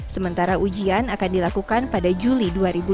sementara ujian akan dilakukan pada juli dua ribu dua puluh